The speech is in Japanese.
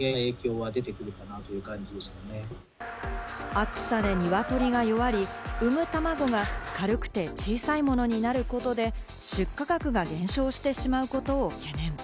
暑さでニワトリが弱り、産むたまごが軽くて小さいものになることで、出荷額が減少してしまうことを懸念。